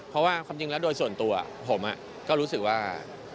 เพราะว่าความจริงแล้วโดยส่วนตัวผมก็รู้สึกว่า